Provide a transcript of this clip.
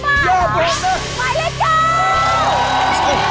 หมายเลข๙